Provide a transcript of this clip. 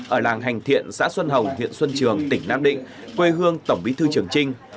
ở làng hành thiện xã xuân hồng huyện xuân trường tỉnh nam định quê hương tổng bí thư trường trinh